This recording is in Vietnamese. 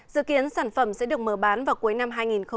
dự kiến sản phẩm sẽ được mở bán vào cuối năm hai nghìn hai mươi